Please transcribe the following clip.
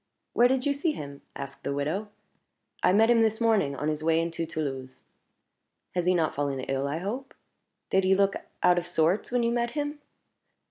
"Where did you see him?" asked the widow. "I met him this morning, on his way into Toulouse." "He has not fallen ill, I hope? Did he look out of sorts when you met him?"